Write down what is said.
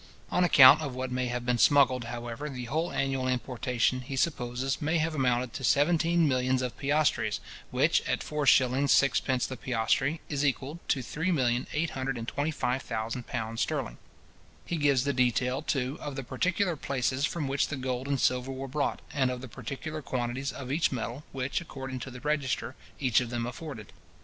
On account of what may have been smuggled, however, the whole annual importation, he supposes, may have amounted to seventeen millions of piastres, which, at 4s. 6d. the piastre, is equal to £ 3,825,000 sterling. He gives the detail, too, of the particular places from which the gold and silver were brought, and of the particular quantities of each metal, which according to the register, each of them afforded.